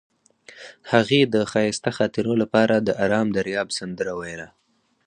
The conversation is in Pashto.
هغې د ښایسته خاطرو لپاره د آرام دریاب سندره ویله.